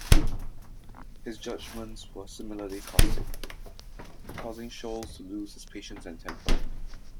His judgments were similarly caustic, causing Sholes to lose his patience and temper.